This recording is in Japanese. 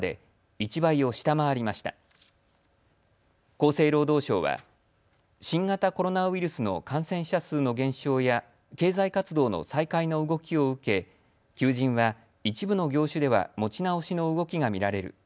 厚生労働省は、新型コロナウイルスの感染者数の減少や経済活動の再開の動きを受け求人は一部の業種では持ち直しの動きが見られる。